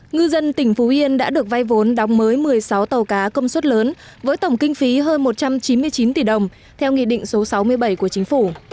ngư dân tỉnh phú yên đã được vay vốn đóng mới một mươi sáu tàu cá công suất lớn với tổng kinh phí hơn một trăm chín mươi chín tỷ đồng theo nghị định số sáu mươi bảy của chính phủ